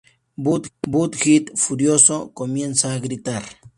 Butt-Head, furioso, comienza a gritar.